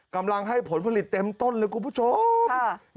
กำลังให้ผลผลิตเต็มต้นเลยคุณผู้ชม